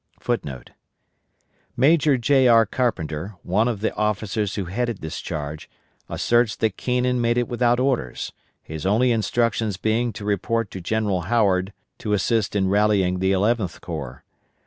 *[* Major J. R. Carpenter, one of the officers who headed this charge, asserts that Keenan made it without orders, his only instructions being to report to General Howard to assist in rallying the Eleventh Corps.